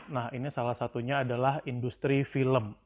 nah ini salah satunya adalah industri film